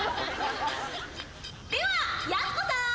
ではやす子さん。